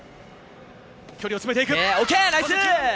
距離を詰めていく。